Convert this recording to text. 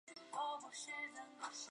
买了巴士票